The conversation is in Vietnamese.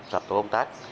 lập tổ công tác